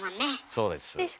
そうです。